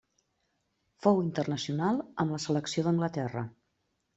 Fou internacional amb la selecció d'Anglaterra.